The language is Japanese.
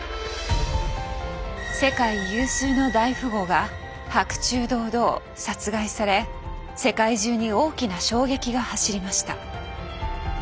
世界有数の大富豪が白昼堂々殺害され世界中に大きな衝撃が走りました。